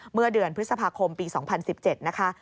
เมื่อเดือนพฤษภาคมปี๒๐๑๗นะคะ